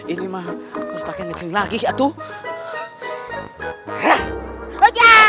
ini mah harus pake ngecering lagi atuh